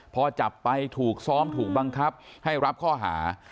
พอจับไปถูกซ้อมถูกบังคับให้รับข้อหา